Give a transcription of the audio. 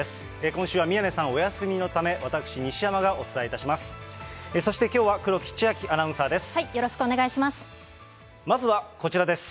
今週は宮根さん、お休みのため、私、西山がお伝えいたします。